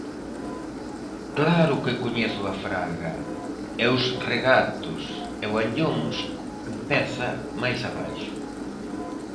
Claro que coñezo a fraga, e os regatos, e o Anllóns empeza máis abaixo.